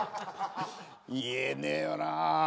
言えねえよな。